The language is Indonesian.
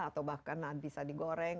atau bahkan bisa digoreng